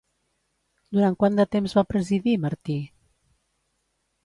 Durant quant de temps va presidir, Martí?